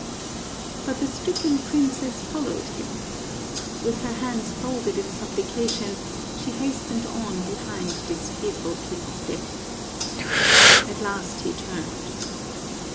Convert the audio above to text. But the stricken princess followed him. With her hands folded in supplication she hastened on behind this fearful King of Death. At last he turned.